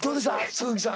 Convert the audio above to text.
鈴木さん